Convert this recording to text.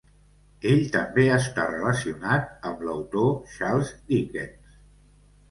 Ell també està relacionat amb l'autor Charles Dickens.